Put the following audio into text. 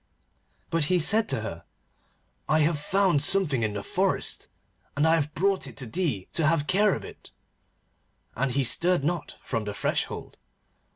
But he said to her, 'I have found something in the forest, and I have brought it to thee to have care of it,' and he stirred not from the threshold.